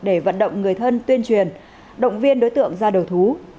để vận động người thân tuyên truyền động viên đối tượng ra đầu thú